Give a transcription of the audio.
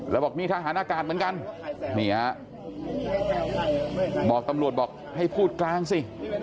แล้วบอกมีทหารอากาศเหมือนกันนี่ฮะบอกตำรวจบอกให้พูดกลางสิ